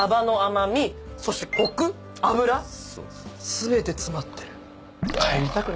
全て詰まってる。